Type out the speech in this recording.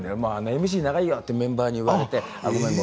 ＭＣ長いとメンバーに言われて。